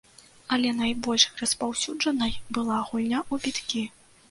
Але найбольш распаўсюджанай была гульня ў біткі.